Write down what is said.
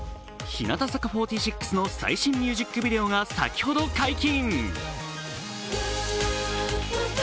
日向坂４６の最新ミュージックビデオが先ほど解禁。